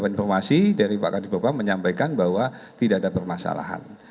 informasi dari pak kadir bapak menyampaikan bahwa tidak ada permasalahan